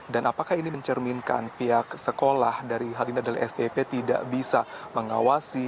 dan apakah ini mencerminkan pihak sekolah dari hal ini adalah stip tidak bisa mengawasi